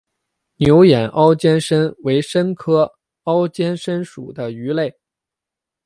牛眼凹肩鲹为鲹科凹肩鲹属的鱼类。